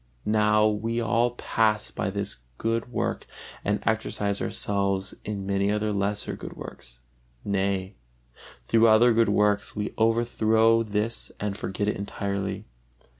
Now we all pass by this good work and exercise ourselves in many other lesser good works, nay, through other good works we overthrow this and forget it entirely.